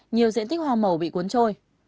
nhiều diện tích hòa màu bị cuốn trôi